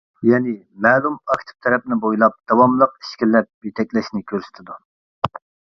يەنى مەلۇم ئاكتىپ تەرەپنى بويلاپ داۋاملىق ئىچكىرىلەپ يېتەكلەشنى كۆرسىتىدۇ.